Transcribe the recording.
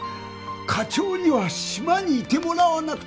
課長には島にいてもらわなくては困るんだ。